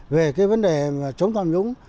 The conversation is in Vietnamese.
về cái vấn đề chống tạm dũng